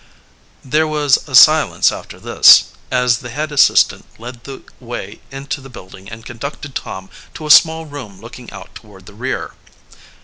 There was a silence after this, as the head assistant led the way into the building and conducted Tom to a small room looking out toward the rear.